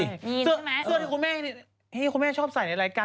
สื่อที่คุณแม่ชอบใส่ในรายการ